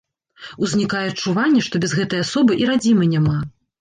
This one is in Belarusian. Узнікае адчуванне, што без гэтай асобы і радзімы няма.